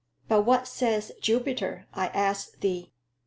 _ But what says Jupiter, I ask thee?